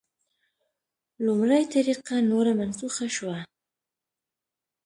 لومړۍ طریقه نوره منسوخه شوه.